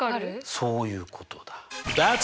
そういうことだ。